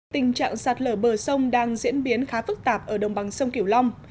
tình trạng sạt lở bờ sông đang diễn biến khá phức tạp ở đồng bằng sông kiểu long